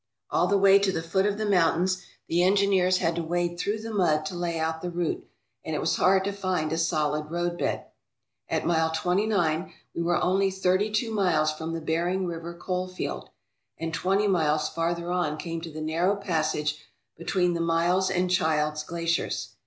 All the way to the foot of the mountains the engineers had to wade through the mud to lay out the route, and it was hard to find a solid roadbed. At Mile Twenty nine we were only thirty two miles from the Bering River coal field, and twenty miles farther on came to the narrow passage between the Miles and Childs glaciers.